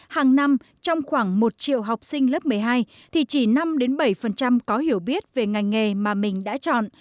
hàng năm trong khoảng một triệu học sinh lớp một mươi hai thì chỉ năm bảy có hiểu biết về ngành nghề mà mình đã chọn